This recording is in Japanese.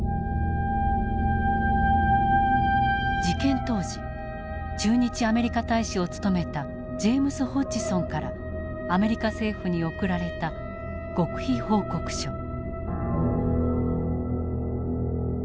事件当時駐日アメリカ大使を務めたジェームス・ホッジソンからアメリカ政府に送られた極秘報告書。